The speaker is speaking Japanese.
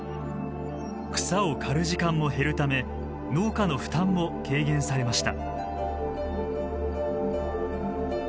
草を刈る時間も減るため農家の負担も軽減されました。